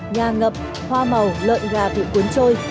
nhà ngập hoa màu lợn gà bị cuốn trôi